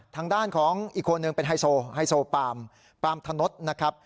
ทางด้านของอีกคนหนึ่งเป็นไฮโซไฮโซปามปาล์มธนดนะครับ